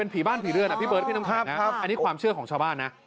เปิ้ลนี่ความเชื่อของชาวบ้าน